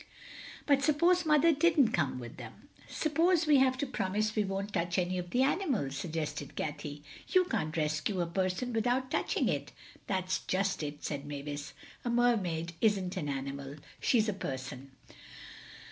But suppose Mother didn't come with them. "Suppose we have to promise we won't touch any of the animals?" suggested Cathay. "You can't rescue a person without touching it." "That's just it," said Mavis, "a Mermaid isn't an animal. She's a person."